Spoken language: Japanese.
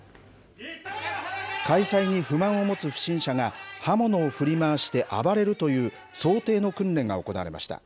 開催に不満を持つ不審者が、刃物を振り回して暴れるという想定の訓練が行われました。